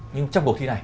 nhưng trong cuộc thi này